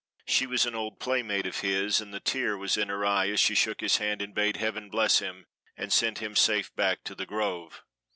She was an old playmate of his, and the tear was in her eye as she shook his hand and bade Heaven bless him, and send him safe back to "The Grove."